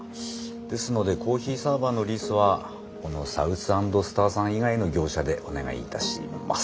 ですのでコーヒーサーバーのリースはこのサウス＆スターさん以外の業者でお願いいたします。